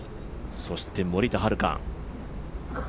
そして森田遥。